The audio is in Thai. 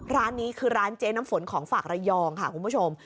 ร้านนี้คือร้านเจ๊น้ำฝนของฝากระยองค่ะคุณผู้ชม